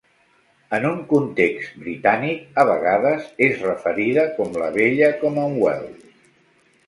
En un context britànic, a vegades és referida com la "Vella Commonwealth".